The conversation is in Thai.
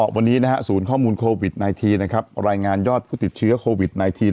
วันนี้ศูนย์ข้อมูลโควิด๑๙นะครับรายงานยอดผู้ติดเชื้อโควิด๑๙